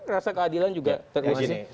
rasa keadilan juga terkunci